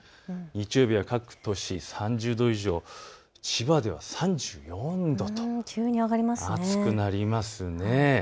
日曜日は各都市３０度以上、千葉では３４度と暑くなりますね。